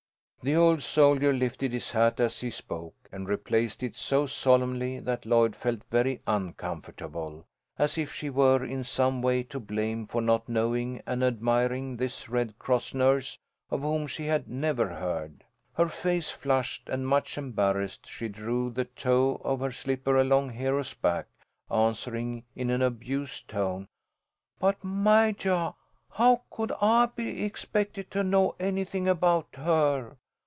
The old soldier lifted his hat as he spoke, and replaced it so solemnly that Lloyd felt very uncomfortable, as if she were in some way to blame for not knowing and admiring this Red Cross nurse of whom she had never heard. Her face flushed, and much embarrassed, she drew the toe of her slipper along Hero's back, answering, in an abused tone: "But, Majah, how could I be expected to know anything about her?